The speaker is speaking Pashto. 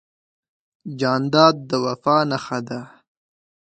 جانداد د وفا نښه ده.